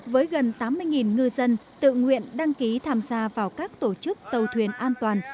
với gần tám mươi ngư dân tự nguyện đăng ký tham gia vào các tổ chức tàu thuyền an toàn